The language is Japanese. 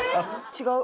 違う？